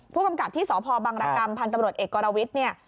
ผู้กำกับที่สพบังรกรรมพันธุ์ตำรวจเอกกรวิทย์เนี่ย